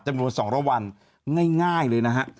จะมีรวมสองระวัลง่ายเลยนะฮะ